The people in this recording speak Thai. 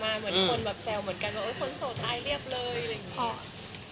มีความเศรษฐ์ออกมาเหมือนคนแซวเหมือนกันว่าคนโสดอายเรียบเลยอะไรอย่างนี้